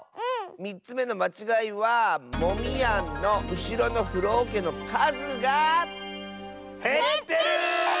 ３つめのまちがいはモミヤンのうしろのふろおけのかずが。へってる！